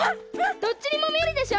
どっちにもみえるでしょ？